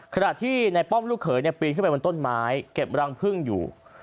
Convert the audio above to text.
ขณะที่ในป้อมลูกเขยปีนขึ้นไปบนต้นไม้เก็บรังพึ่งอยู่